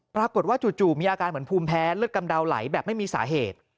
ปรากฏว่าจู่มีอาการเหมือนภูมิแพ้เลือดกำเดาไหลแบบไม่มีสาเหตุ